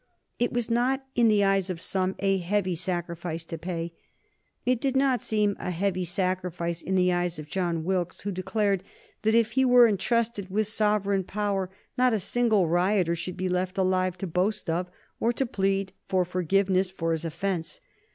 It was not, in the eyes of some, a heavy sacrifice to pay. It did not seem a heavy sacrifice in the eyes of John Wilkes, who declared that if he were intrusted with sovereign power not a single rioter should be left alive to boast of, or to plead for forgiveness for, his offence.